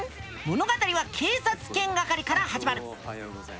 物語は警察犬係から始まる。